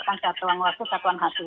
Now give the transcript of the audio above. kita berdasarkan satuan waktu satuan hasil